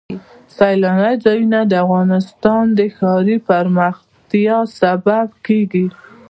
سیلانی ځایونه د افغانستان د ښاري پراختیا سبب کېږي.